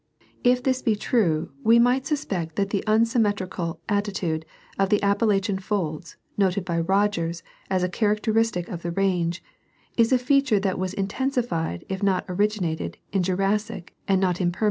* If this be true, we might suspect that the unsymmetrical attitude of the Appalachian folds, noted by Rogers as a characteristic of the range, is a feature that was intensified if not originated in Jurassic and not in Permian time.